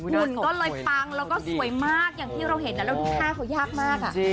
หุ่นก็เลยปังแล้วก็สวยมากอย่างที่เราเห็นแล้วดูท่าเขายากมาก